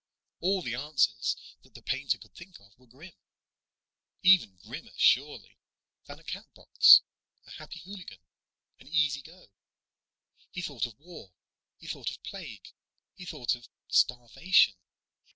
All the answers that the painter could think of were grim. Even grimmer, surely, than a Catbox, a Happy Hooligan, an Easy Go. He thought of war. He thought of plague. He thought of starvation.